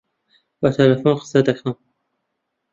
بە تەلەفۆن قسە دەکەم.